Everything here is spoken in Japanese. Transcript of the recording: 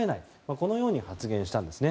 このように発言したんですね。